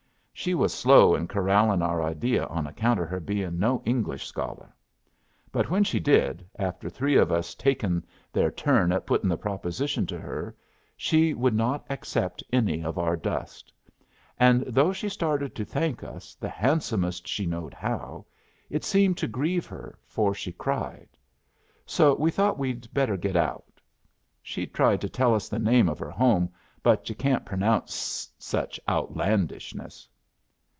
She was slow in corrallin' our idea on account of her bein' no English scholar. But when she did, after three of us takin' their turn at puttin' the proposition to her, she would not accept any of our dust. And though she started to thank us the handsomest she knowed how, it seemed to grieve her, for she cried. So we thought we'd better get out. She's tried to tell us the name of her home, but yu' can't pronounce such outlandishness."